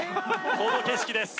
この景色です